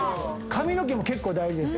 髪の毛も結構大事です。